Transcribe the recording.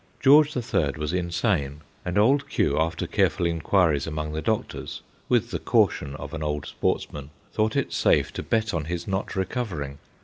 George the Third was insane, and Old Q., after careful inquiries among the doctors with the caution of an old sportsman thought it safe to bet on his not recovering.